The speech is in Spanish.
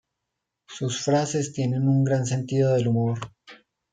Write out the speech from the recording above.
Sus frases tienen un gran sentido del humor.